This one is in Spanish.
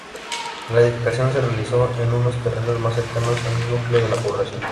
La edificación se realizó en unos terrenos más cercanos al núcleo de la población.